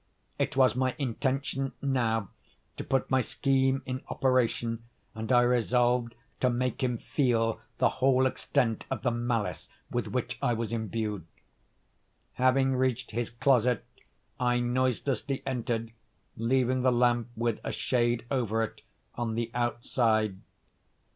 It was my intention, now, to put my scheme in operation, and I resolved to make him feel the whole extent of the malice with which I was imbued. Having reached his closet, I noiselessly entered, leaving the lamp, with a shade over it, on the outside.